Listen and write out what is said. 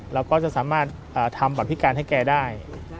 เราก็จะสามารถทำบัตรพิการให้แกได้